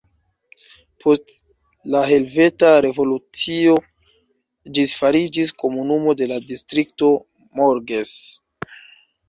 Post la Helveta Revolucio ĝis fariĝis komunumo de la Distrikto Morges.